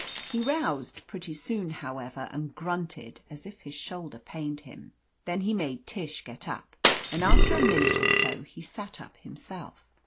He roused pretty soon, however, and grunted as if his shoulder pained him. Then he made Tish get up, and after a minute or so he sat up himself.